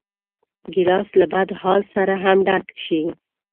ګیلاس له بدحال سره هم ډک شي.